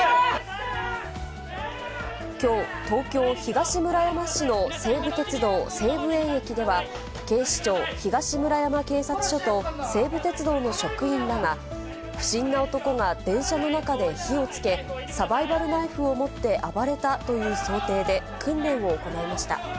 きょう、東京・東村山市の西武鉄道西武園駅では、警視庁東村山警察署と西武鉄道の職員らが不審な男が電車の中で火をつけ、サバイバルナイフを持って暴れたという想定で、訓練を行いました。